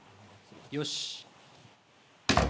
よし。